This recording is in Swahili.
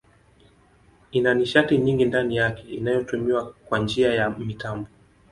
Ina nishati nyingi ndani yake inayotumiwa kwa njia ya mitambo.